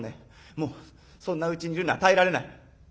『もうそんなうちにいるのは耐えられない』。